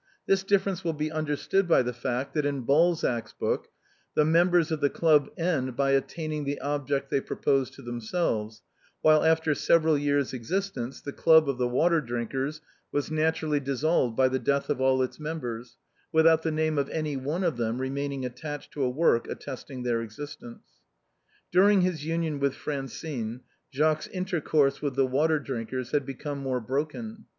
This difference will l^e understood by the fact that in de Balzac's book the members of the club end by attaining the object they proposed to themselves, whilst after several years' existence the club of the Water drinkers was natu rally dissolved by the death of all its members, without the name of any one of them remaining attached to a work attesting their existence. During his union with Francine, Jacques's intercourse with the Water drinkers had become more broken.